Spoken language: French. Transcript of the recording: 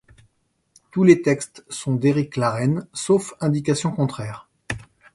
Tous les textes sont d'Éric Lareine, sauf indications contraires.